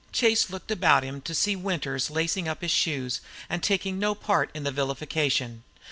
Chase looked about him to see Winters lacing up his shoes and taking no part in the vilification.